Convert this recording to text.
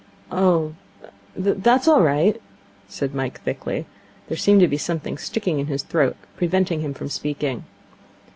'Oh, that's all right,' said Mike thickly. There seemed to be something sticking in his throat, preventing him from speaking.